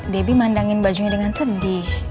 debbie mandangin bajunya dengan sedih